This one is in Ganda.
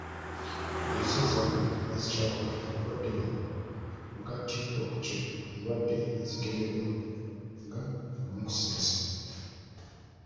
Mu nsi ezaakula n'ezikyakula obulwadde buno bugattibwa ku ndwadde ezigemebwa nga olukusense